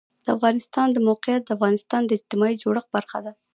د افغانستان د موقعیت د افغانستان د اجتماعي جوړښت برخه ده.